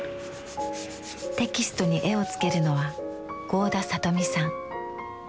テキストに絵をつけるのは合田里美さん。